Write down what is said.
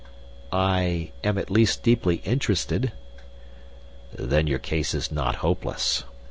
"I am at least deeply interested." "Then your case is not hopeless.